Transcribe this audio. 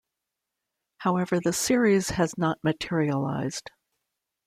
However, the series has not materialized.